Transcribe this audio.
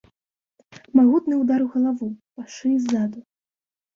Магутны удар у галаву, па шыі ззаду.